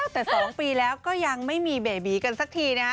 แต่๒ปีแล้วก็ยังไม่มีเบบีกันสักทีนะฮะ